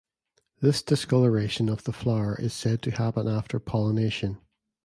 This discoloration of the flower is said to happen after pollination.